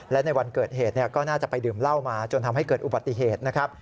และในวันเกิดเหตุก็น่าจะไปดื่มเหล้ามาจนทำให้เกิดอุบัติเหตุนะครับ